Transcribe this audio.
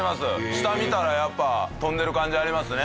下見たらやっぱ飛んでる感じありますね。